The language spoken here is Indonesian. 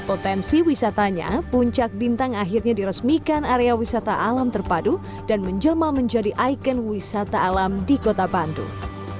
potensi wisatanya puncak bintang akhirnya diresmikan area wisata alam terpadu dan menjelma menjadi ikon wisata alam di kota bandung